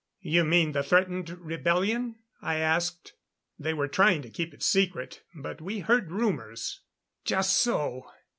"You mean the threatened rebellion?" I asked. "They were trying to keep it secret, but we heard rumors." "Just so.